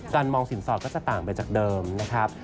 มองสินสอดก็จะต่างไปจากเดิมนะครับ